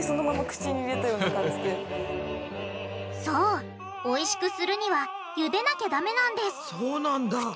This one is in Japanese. そうおいしくするには茹でなきゃダメなんですそうなんだ。